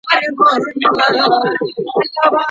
د زده کوونکو روحي ستونزي باید جدي ونیول سي.